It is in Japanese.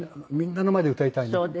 みんなの前で歌いたいね。